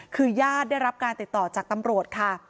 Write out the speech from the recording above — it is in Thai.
คือญาติได้รับการติดต่อจากตำรวจค่ะ